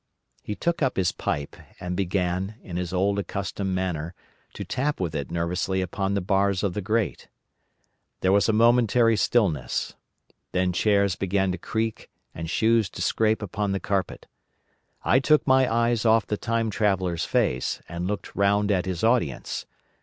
He took up his pipe, and began, in his old accustomed manner, to tap with it nervously upon the bars of the grate. There was a momentary stillness. Then chairs began to creak and shoes to scrape upon the carpet. I took my eyes off the Time Traveller's face, and looked round at his audience.